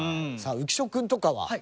さあ浮所君とかは？